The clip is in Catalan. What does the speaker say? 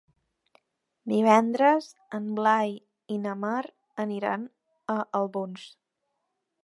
Divendres en Blai i na Mar aniran a Albons.